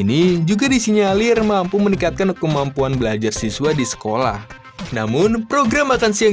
ini juga disinyalir mampu meningkatkan kemampuan belajar siswa di sekolah namun program makan siang